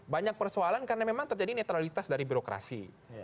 banyak persoalan karena memang terjadi netralitas dari birokrasi